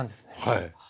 はい。